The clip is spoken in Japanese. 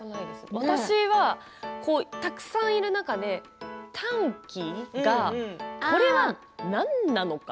たくさんいる中でタンキーがこれは何なのか。